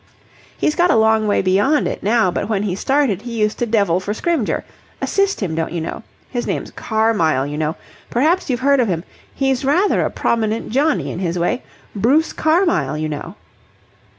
"He's got a long way beyond it now, but when he started he used to devil for Scrymgeour assist him, don't you know. His name's Carmyle, you know. Perhaps you've heard of him? He's rather a prominent johnny in his way. Bruce Carmyle, you know."